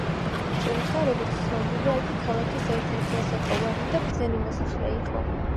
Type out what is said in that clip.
თუმცა, როგორც ცნობილია, იგი ქალაქის ერთ-ერთი ასაკოვანი და ბრძენი მოსახლე იყო.